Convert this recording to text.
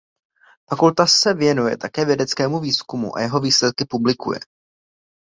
Fakulta se věnuje také vědeckému výzkumu a jeho výsledky publikuje.